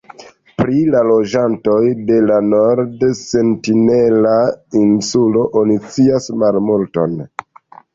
Pri la loĝantoj de la Nord-Sentinela Insulo oni scias malmulton.